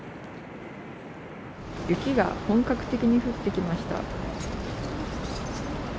雪が本格的に降ってきました。